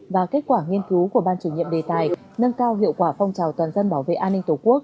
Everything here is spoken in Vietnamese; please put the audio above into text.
và kết quả nghiên cứu của ban chủ nhiệm đề tài nâng cao hiệu quả phong trào toàn dân bảo vệ an ninh tổ quốc